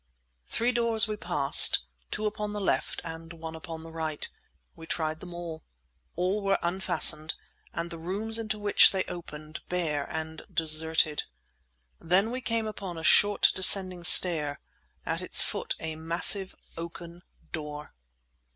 Three doors we passed, two upon the left and one upon the right. We tried them all. All were unfastened, and the rooms into which they opened bare and deserted. Then we came upon a short, descending stair, at its foot a massive oaken door.